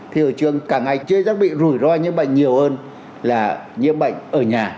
thì ở trường cả ngày chưa rất bị rủi ro nhiễm bệnh nhiều hơn là nhiễm bệnh ở nhà